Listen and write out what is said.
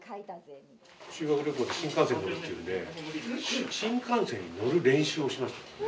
修学旅行で新幹線に乗るっていうんで新幹線に乗る練習をしましたね。